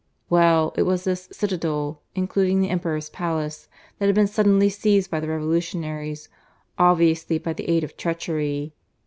Well, it was this "citadel," including the Emperor's palace, that had been suddenly seized by the revolutionaries, obviously by the aid of treachery.